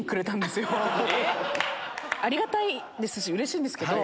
ありがたいですしうれしいんですけど